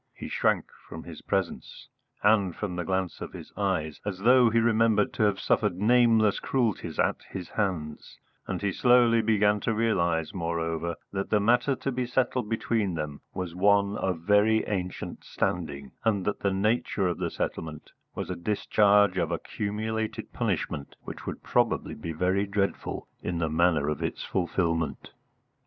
He shrank from his presence, and from the glance of his eyes, as though he remembered to have suffered nameless cruelties at his hands; and he slowly began to realise, moreover, that the matter to be settled between them was one of very ancient standing, and that the nature of the settlement was a discharge of accumulated punishment which would probably be very dreadful in the manner of its fulfilment.